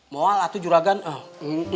mau lah tuh juragan